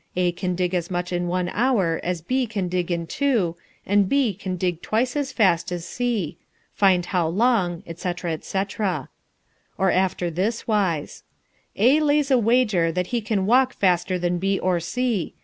A can dig as much in one hour as B can dig in two, and B can dig twice as fast as C. Find how long, etc. etc." Or after this wise: "A lays a wager that he can walk faster than B or C.